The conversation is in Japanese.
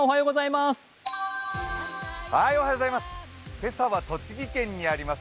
今朝は栃木県にあります